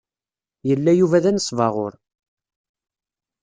Yella Yuba d anesbaɣur.